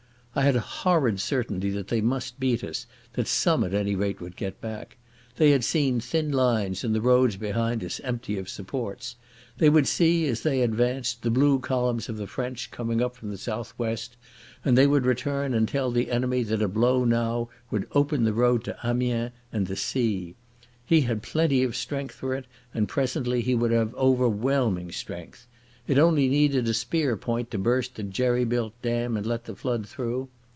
I had a horrid certainty that they must beat us, that some at any rate would get back. They had seen thin lines and the roads behind us empty of supports. They would see, as they advanced, the blue columns of the French coming up from the south west, and they would return and tell the enemy that a blow now would open the road to Amiens and the sea. He had plenty of strength for it, and presently he would have overwhelming strength. It only needed a spear point to burst the jerry built dam and let the flood through....